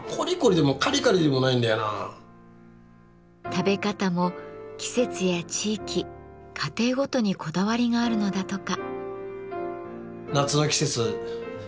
食べ方も季節や地域家庭ごとにこだわりがあるのだとか。